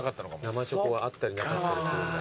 生チョコはあったりなかったりするんだ。